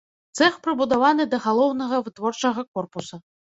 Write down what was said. Цэх прыбудаваны да галоўнага вытворчага корпуса.